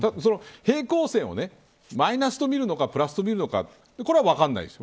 平行線をマイナスと見るのかプラス見るのかこれは分からないです。